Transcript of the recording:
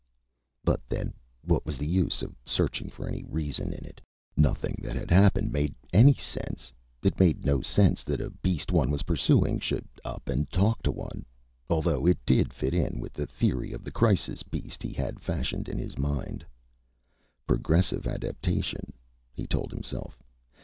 But then what was the use of searching for any reason in it? Nothing that had happened made any sense. It made no sense that a beast one was pursuing should up and talk to one although it did fit in with the theory of the crisis beast he had fashioned in his mind. Progressive adaptation, he told himself.